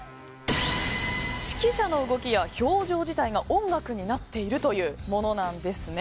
指揮者の動きや表情自体が音楽になっているというものなんですね。